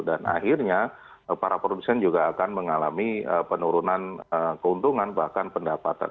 dan akhirnya para produsen juga akan mengalami penurunan keuntungan bahkan pendapatan